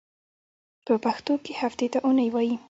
په پښتو کې هفتې ته اونۍ وایی.